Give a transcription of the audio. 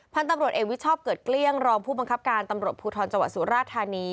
พันธุ์ตำรวจเอกวิชอบเกิดเกลี้ยงรองผู้บังคับการตำรวจภูทรจังหวัดสุราธานี